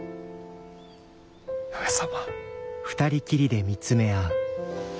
上様。